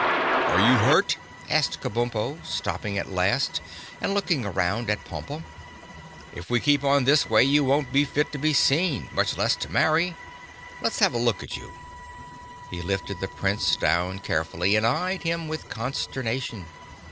"Are you hurt?" asked Kabumpo, stopping at last and looking around at Pompa. "If we keep on this way you won't be fit to be seen—much less to marry. Let's have a look at you." He lifted the Prince down carefully and eyed him with consternation.